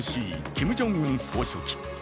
キム・ジョンウン総書記。